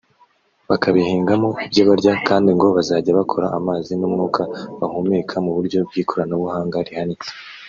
bakabihingamo ibyo barya kandi ngo bazajya bakora amazi n’umwuka bahumeka mu buryo bw’ikoranabuhanga rihanitse